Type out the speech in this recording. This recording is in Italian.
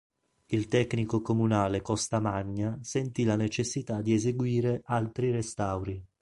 Il tecnico comunale Costamagna sentì la necessità di eseguire altri restauri.